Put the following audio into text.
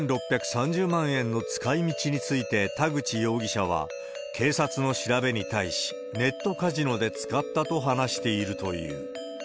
４６３０万円の使いみちについて、田口容疑者は、警察の調べに対し、ネットカジノで使ったと話しているという。